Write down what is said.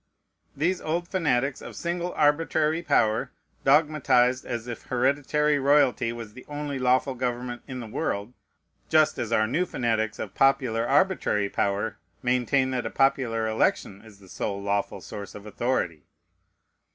These old fanatics of single arbitrary power dogmatized as if hereditary royalty was the only lawful government in the world, just as our new fanatics of popular arbitrary power maintain that a popular election is the sole lawful source of authority.